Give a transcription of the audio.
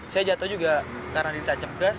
saya jatuh juga karena dia tancap gas